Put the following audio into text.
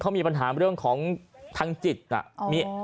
เขามีปัญหาเรื่องของทางจิตน่ะ